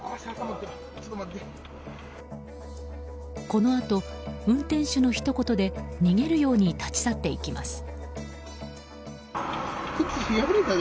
このあと運転手のひと言で逃げるように立ち去っていきます。